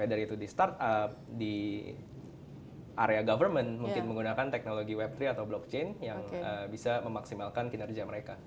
dari itu di startup di area government mungkin menggunakan teknologi web tiga atau blockchain yang bisa memaksimalkan kinerja mereka